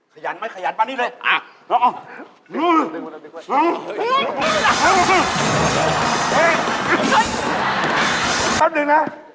ขยันไหมกันซิเลยอ่ะแล้วอื้อฮืออื้อฮือ